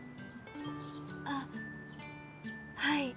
あっはい。